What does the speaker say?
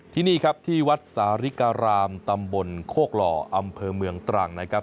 ที่นี่ครับที่วัดสาริการามตำบลโคกหล่ออำเภอเมืองตรังนะครับ